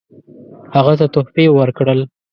هغه ته تحفې ورکړل.